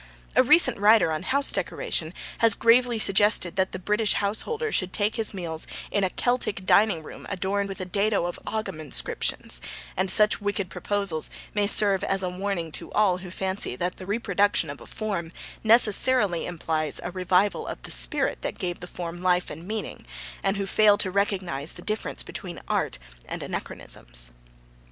A recent writer on house decoration has gravely suggested that the British householder should take his meals in a Celtic dining room adorned with a dado of Ogham inscriptions, and such wicked proposals may serve as a warning to all who fancy that the reproduction of a form necessarily implies a revival of the spirit that gave the form life and meaning, and who fail to recognise the difference between art and anachronisms.